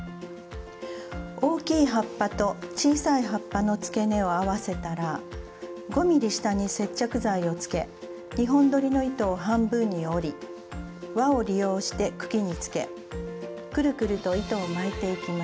大きい葉っぱと小さい葉っぱのつけ根を合わせたら５ｍｍ下に接着剤をつけ２本どりの糸を半分に折り輪を利用して茎につけくるくると糸を巻いていきます。